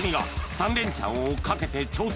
３連チャンをかけて挑戦